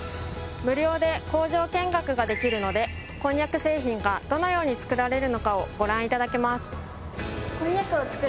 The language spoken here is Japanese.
無料で工場見学ができるのでこんにゃく製品がどのように作られるのかをご覧頂けます。